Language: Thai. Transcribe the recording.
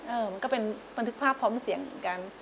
มันก็เป็นบันทึกภาพพร้อมเสียงเหมือนกัน